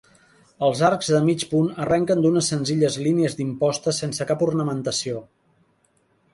Els arcs de mig punt arrenquen d'unes senzilles línies d'imposta sense cap ornamentació.